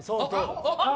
あっ！